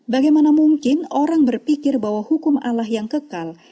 bagaimana mungkin orang berpikir bahwa hukum allah yang kekal